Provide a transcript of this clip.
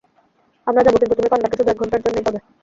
আমরা যাব, কিন্তু তুমি পান্ডাকে শুধু এক ঘন্টার জন্যেই পাবে।